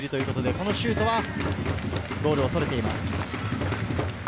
このシュートはゴールからそれています。